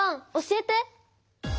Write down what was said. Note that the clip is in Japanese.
教えて！